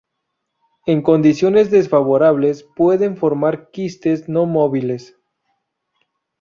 En condiciones desfavorables pueden formar quistes no móviles.